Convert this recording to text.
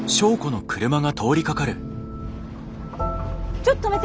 ちょっと止めて！